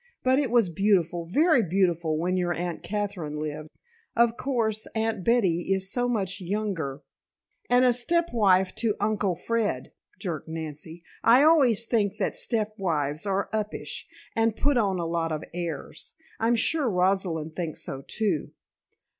But it was beautiful, very beautiful when your Aunt Katherine lived. Of course, Aunt Betty is so much younger " "And a step wife to Uncle Fred," jerked Nancy. "I always think that step wives are up ish and put on a lot of airs. I'm sure Rosalind thinks so too."